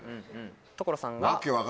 所さんは？